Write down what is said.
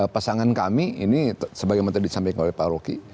pasangan kami ini sebagaimana tadi disampaikan oleh pak ruki